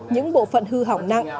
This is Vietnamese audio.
những bộ phận hư hỏng nặng